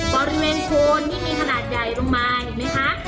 บริเวณโคนที่มีขนาดใหญ่ลงมาเห็นไหมคะ